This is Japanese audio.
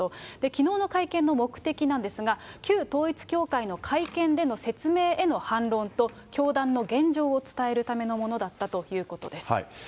きのうの会見の目的なんですが、旧統一教会の会見での説明への反論と、教団の現状を伝えるためのものだったということです。